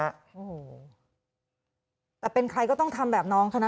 โอ้โหแต่เป็นใครก็ต้องทำแบบน้องเท่านั้น